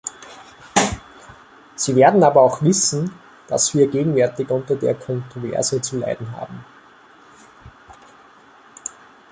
Sie werden aber auch wissen, dass wir gegenwärtig unter der Kontroverse zu leiden haben.